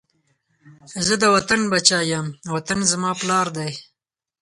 زه د وطن بچی یم، وطن زما پلار دی